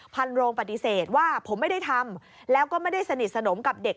พันโรงปฏิเสธว่าผมไม่ได้ทำแล้วก็ไม่ได้สนิทสนมกับเด็ก